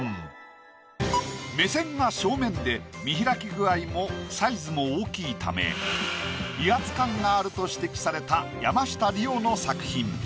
目線が正面で見開き具合もサイズも大きいため威圧感があると指摘された山下リオの作品。